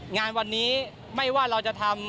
งานวันนี้ไม่ว่าเราจะทำ